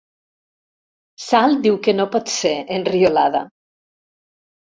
Sal diu que no pot ser, enriolada.